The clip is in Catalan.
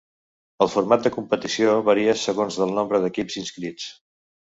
El format de competició varia segons del nombre d'equips inscrits.